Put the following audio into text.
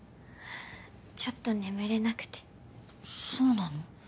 ちょっと眠れなくてそうなの？